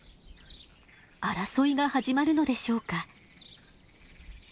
争いが始まるのでしょうか。